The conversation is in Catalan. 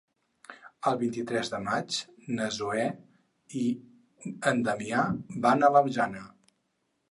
El vint-i-tres de maig na Zoè i en Damià van a la Jana.